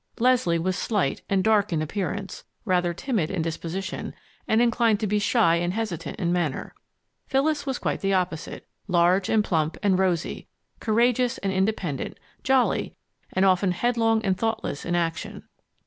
Leslie was slight and dark in appearance, rather timid in disposition, and inclined to be shy and hesitant in manner. Phyllis was quite the opposite large and plump and rosy, courageous and independent, jolly, and often headlong and thoughtless in action.